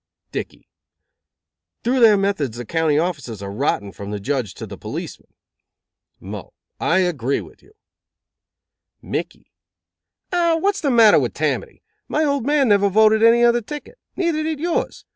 Dickey: "Through their methods the county offices are rotten from the judge to the policeman." Mull: "I agree with you." Mickey: "Ah, wat's the matter wid Tammany? My old man never voted any other ticket. Neither did yours.